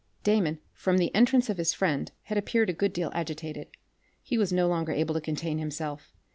Damon from the entrance of his friend had appeared a good deal agitated. He was no longer able to contain himself.